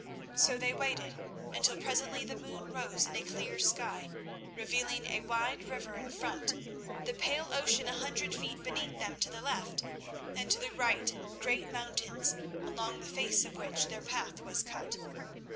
So they waited, until presently the moon rose in a clear sky, revealing a wide river in front, the pale ocean a hundred feet beneath them to the left, and to the right great mountains, along the face of which their path was cut.